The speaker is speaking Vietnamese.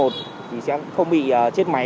chỉ sẽ không bị chết máy